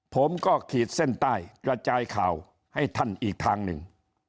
ขีดเส้นใต้กระจายข่าวให้ท่านอีกทางหนึ่ง